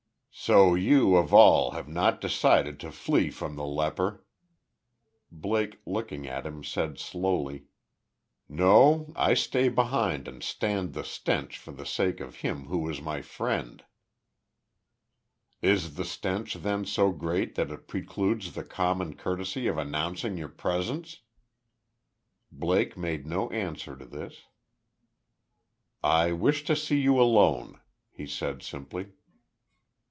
"So you, of all, have not decided to flee from the leper." Blake, looking at him, said, slowly: "No; I stay behind and stand the stench for the sake of him who was my friend." "Is the stench then so great that it precludes the common courtesy of announcing your presence?" Blake made no answer to this. "I wish to see you alone," he said, simply.